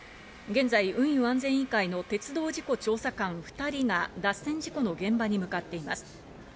現在、運輸安全委員会の鉄道事故調査官２人が脱線事故の現場に向かっています。